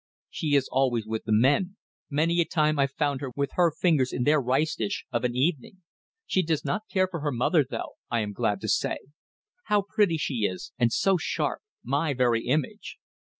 "She is always with the men. Many a time I've found her with her fingers in their rice dish, of an evening. She does not care for her mother though I am glad to say. How pretty she is and so sharp. My very image!"